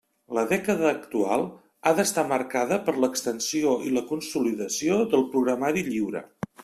La dècada actual ha d'estar marcada per l'extensió i la consolidació del programari lliure.